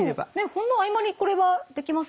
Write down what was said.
ほんの合間にこれはできますもんね。